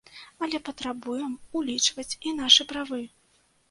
Але патрабуем улічваць і нашы правы.